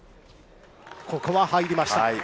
ここは入りました。